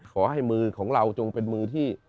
ขอให้มือของเราจงเป็นมือที่